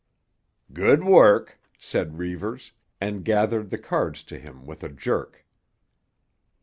"Good work!" said Reivers, and gathered the cards to him with a jerk.